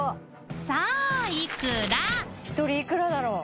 １人いくらだろう？